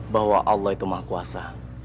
bahwa allah itu maha kuasa